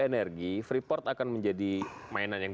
energi freeport akan menjadi mainan yang